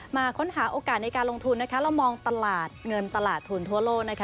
มาค้นหาโอกาสในการลงทุนนะคะแล้วมองตลาดเงินตลาดทุนทั่วโลนะคะ